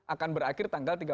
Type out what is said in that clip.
akan berakhir tanggal